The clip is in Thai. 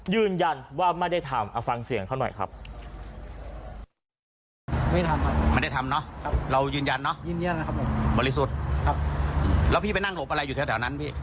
ยืนยันว่าไม่ได้ทำเอาฟังเสียงเขาหน่อยครับ